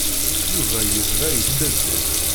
Yuba yebda yettazzal.